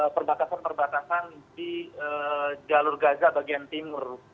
perbatasan perbatasan di jalur gaza bagian timur